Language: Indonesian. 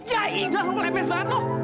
ya iya lu lepes banget lu